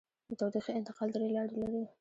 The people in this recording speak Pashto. د تودوخې انتقال درې لارې لري.